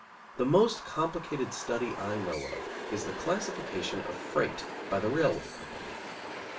The most complicated study I know of is the classification of freight by the railway company.